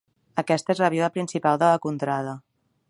Aquesta és la vila principal de la contrada.